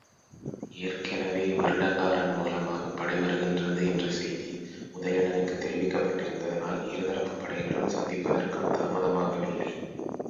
ஏற்கெனவே வருடகாரன் மூலமாகப் படை வருகின்றது என்ற செய்தி உதயணனுக்குத் தெரிவிக்கப் பட்டிருந்ததனால் இருதரப்புப் படைகளும் சந்திப்பதற்கும் தாமதமாகவில்லை.